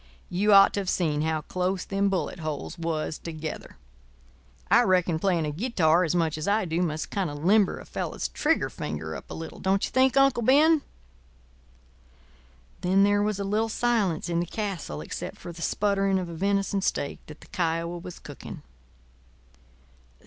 You ought to have seen how close them bullet holes was together. I reckon playing a guitar as much as I do must kind of limber a fellow's trigger finger up a little, don't you think, Uncle Ben?" Then there was a little silence in the castle except for the spluttering of a venison steak that the Kiowa was cooking.